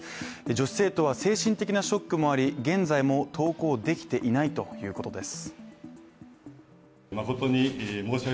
女子生徒は精神的なショックもあり現在も登校できていないということです。